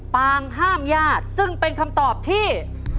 ปางห้ามญาติซึ่งเป็นคำตอบที่